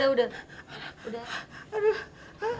nenek udah gak apa apa kan ya